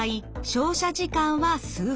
照射時間は数分。